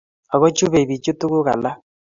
Ago chubei bichu tuguk alak